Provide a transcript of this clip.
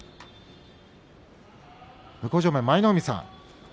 舞の海さん